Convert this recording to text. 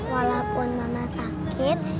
walaupun mama sakit